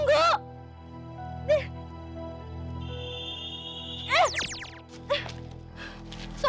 jangan jangan jangan